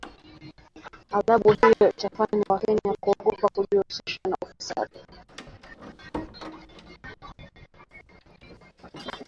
Adhabu hiyo itafanya wakenya kuogopa kujihusisha na ufisadi